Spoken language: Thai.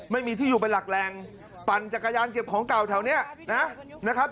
ไม่มีที่อยู่เป็นหลักแรงปั่นจักรยานเก็บของเก่าแถวนี้นะครับ